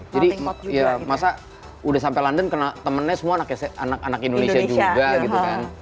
jadi masa udah sampai london temennya semua anak indonesia juga gitu kan